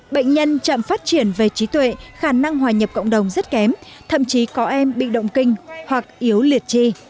bệnh nhân chậm phát triển về trí tuệ khả năng hòa nhập cộng đồng rất kém thậm chí có em bị động kinh hoặc yếu liệt chi